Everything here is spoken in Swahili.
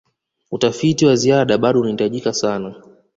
utafiti wa ziada bado unahitajika sana